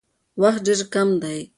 وخت ډېر کم دی.